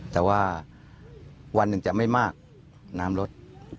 แต่ว่าวันหนึ่งจะไม่มากน้ำลด